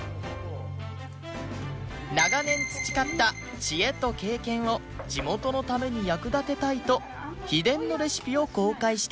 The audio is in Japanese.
長年培った知恵と経験を地元のために役立てたいと秘伝のレシピを公開しています